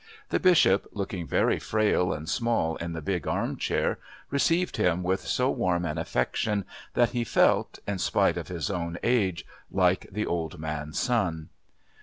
The Bishop, looking very frail and small in the big arm chair, received him with so warm an affection that he felt, in spite of his own age, like the old man's son.